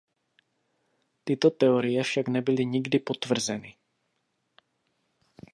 Tyto teorie však nebyly nikdy potvrzeny.